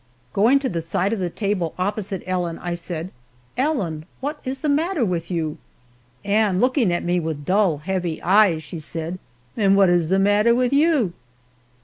Going to the side of the table opposite Ellen I said, "Ellen, what is the matter with you?" and looking at me with dull, heavy eyes, she said, "And what is the matter wit' you?"